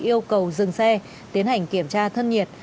yêu cầu dừng xe tiến hành kiểm tra thân nhiệt